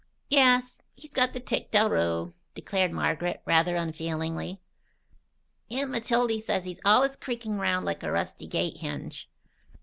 "Yes. He's got the tic del rew," declared Margaret, rather unfeelingly. "Aunt Matildy says he's allus creakin' round like a rusty gate hinge."